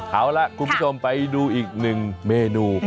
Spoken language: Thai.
เอาล่ะคุณผู้ชมไปดูอีกหนึ่งเมนู